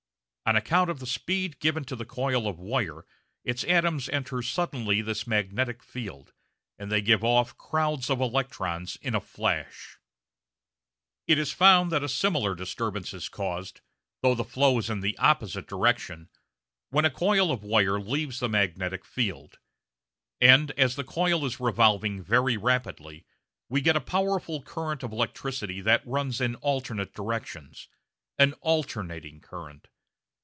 On account of the speed given to the coil of wire its atoms enter suddenly this magnetic field, and they give off crowds of electrons in a flash. It is found that a similar disturbance is caused, though the flow is in the opposite direction, when the coil of wire leaves the magnetic field. And as the coil is revolving very rapidly we get a powerful current of electricity that runs in alternate directions an "alternating" current.